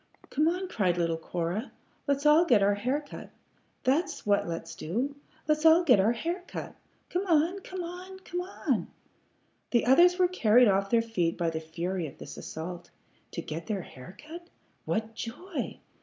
"Come on," cried little Cora. "Let's all get our hair cut. That's what let's do. Let's all get our hair cut! Come on! Come on! Come on!" The others were carried off their feet by the fury of this assault. To get their hair cut! What joy!